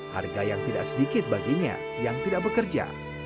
harga yang tidak sedikit baginya yang tidak bekerja